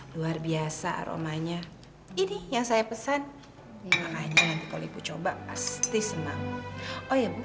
luar biasa aromanya ini yang saya pesan nanti kalau ibu coba pasti senang